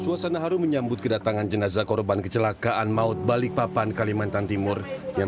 suasana harum menyambut kedatangan jenazah korban kecelakaan maut balikpapan kalimantan timur yang